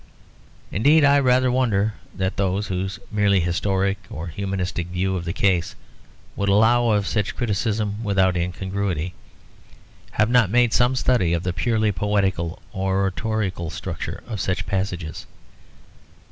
Indeed I rather wonder that those, whose merely historic or humanistic view of the case would allow of such criticism without incongruity, have not made some study of the purely poetical or oratorical structure of such passages.